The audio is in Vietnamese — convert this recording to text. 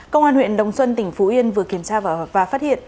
công an huyện đồng xuân tỉnh phú yên vừa kiểm tra phát hiện